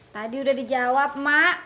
tadi udah dijawab mak